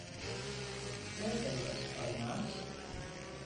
Pray tell us, are you nuts?